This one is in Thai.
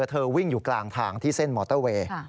เธอวิ่งอยู่กลางทางที่เส้นมอเตอร์เวย์